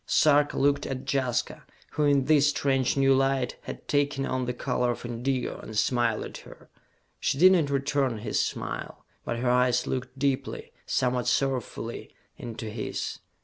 Sarka looked at Jaska who, in this strange new light, had taken on the color of indigo, and smiled at her. She did not return his smile, but her eyes looked deeply, somewhat sorrowfully, into his.